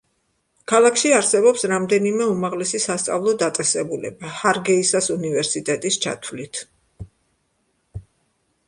ქალაქში არსებობს რამდენიმე უმაღლესი სასწავლო დაწესებულება, ჰარგეისას უნივერსიტეტის ჩათვლით.